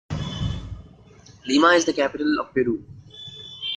Lima is the capital of Peru.